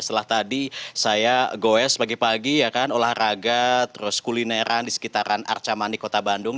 setelah tadi saya goes pagi pagi ya kan olahraga terus kulineran di sekitaran arca mani kota bandung